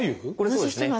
そうですね